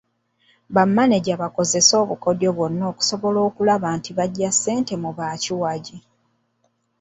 Bamaneja bakozese obukodyo bwonna obusoboka okulaba nti baggya ssente mu bakiwagi.